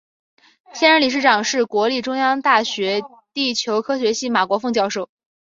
现任理事长是国立中央大学地球科学系马国凤教授。